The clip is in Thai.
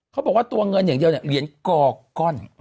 เขาบอกว่าตัวเงินอย่างเดียวเนี่ยเหรียญกอก้อน